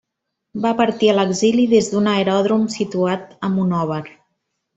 Va partir a l'exili des d'un aeròdrom situat a Monòver.